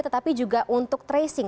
tetapi juga untuk tracing